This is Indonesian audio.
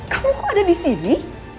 kamu kok ada disini